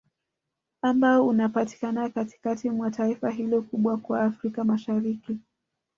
Ambao unapatikana Katikati mwa taifa hilo kubwa kwa Afrika Mashariki